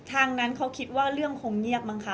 ทางนั้นเขาคิดว่าเรื่องคงเงียบมั้งคะ